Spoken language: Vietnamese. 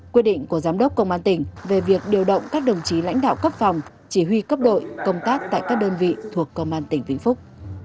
quyết định của giám đốc công an tỉnh về việc điều động các đồng chí lãnh đạo cấp phòng chỉ huy cấp đội công tác tại các đơn vị thuộc công an tỉnh vĩnh phúc